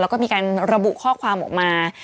แล้วก็มีการระบุข้อความออกมา